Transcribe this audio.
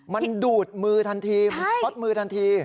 มันดูดมือทันทีช็อตมือทันที